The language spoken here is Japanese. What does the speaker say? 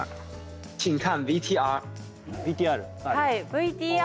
ＶＴＲ。